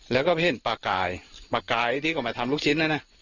แล้วก็พเผ็นปลากัลปลากัลที่เขามาทำลูกชิ้นนะน่ะ